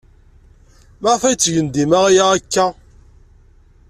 Maɣef ay ttgen dima aya akka?